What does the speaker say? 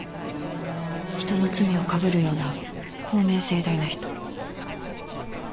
人の罪をかぶるような公明正大な人。